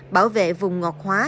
bảo vệ vùng ngọt hoa